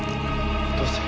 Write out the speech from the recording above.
どうする？